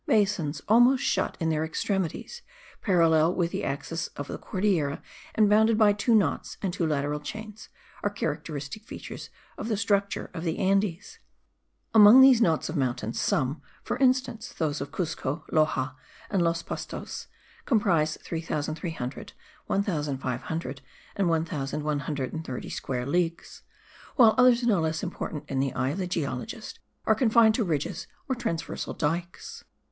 Basins, almost shut in at their extremities, parallel with the axis of the Cordillera and bounded by two knots and two lateral chains, are characteristic features of the structure of the Andes. Among these knots of mountains some, for instance those of Cuzco, Loxa and Los Pastos, comprise 3300, 1500 and 1130 square leagues, while others no less important in the eye of the geologist are confined to ridges or transversal dykes.